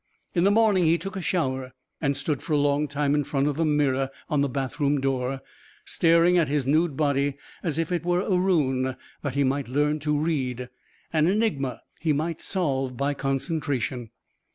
In the morning he took a shower and stood for a long time in front of the mirror on the bathroom door, staring at his nude body as if it were a rune he might learn to read, an enigma he might solve by concentration.